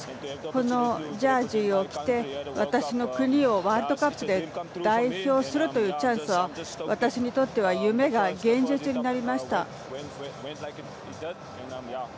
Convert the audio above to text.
このジャージを着て、私の国をワールドカップで代表するというチャンスは私にとっては夢が現実になりました。